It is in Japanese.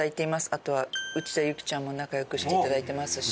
あとは内田有紀ちゃんも仲良くしていただいてますし。